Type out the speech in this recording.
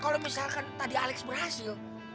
kalau misalkan tadi alex berhasil